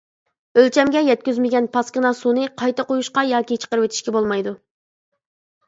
ئۆلچەمگە يەتكۈزمىگەن پاسكىنا سۇنى قايتا قۇيۇشقا ياكى چىقىرىۋېتىشكە بولمايدۇ.